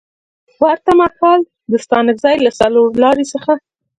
ورته مهال د ستانکزي له څلورلارې څخه